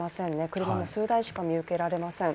車も数台しか見受けられません。